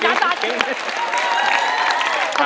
ร้องได้ไข่ล้าง